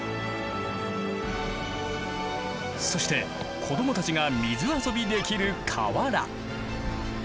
そして子どもたちが水遊びできる河原。